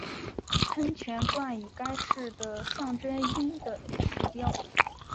喷泉冠以该市的象征鹰的石雕。